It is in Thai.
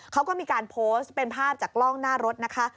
เขาก็มีการโพสต์เป็นภาพจากกล้องหน้ารถนะคะ